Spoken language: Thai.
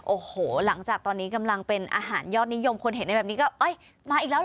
โอ้โหหลังจากตอนนี้กำลังเป็นอาหารยอดนิยมคนเห็นในแบบนี้ก็เอ้ยมาอีกแล้วเหรอ